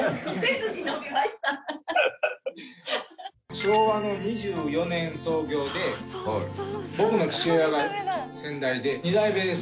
昭和の２４年創業で僕の父親が先代で２代目です。